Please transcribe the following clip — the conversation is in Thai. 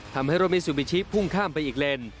ทำให้รถมิซูบิชิพุ่งข้ามไปอีกเลน